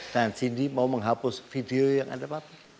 dan cindy mau menghapus video yang ada papi